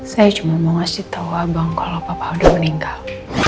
saya cuma mau ngasih tahu abang kalau papa udah meninggal